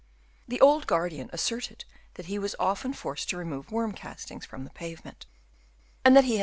The old guardian asserted that he was often forced to remove worm castings from the pavement ; and that he had done Chap.